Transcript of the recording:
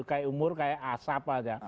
kayak umur kayak asap aja